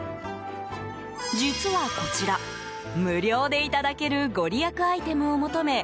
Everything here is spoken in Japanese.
実はこちら、無料でいただけるご利益アイテムを求め